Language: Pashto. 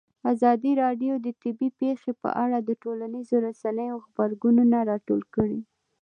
ازادي راډیو د طبیعي پېښې په اړه د ټولنیزو رسنیو غبرګونونه راټول کړي.